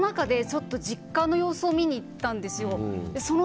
最初はコロナ禍で実家の様子を見に行ったんですよ。